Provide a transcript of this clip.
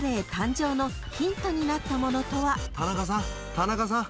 田中さん！